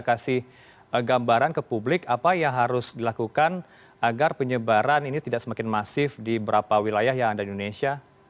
kasih gambaran ke publik apa yang harus dilakukan agar penyebaran ini tidak semakin masif di berapa wilayah yang ada di indonesia